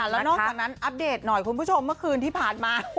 แล้วนอกจากนั้นอัปเดตหน่อยคุณผู้ชมเมื่อคืนที่ผ่านมา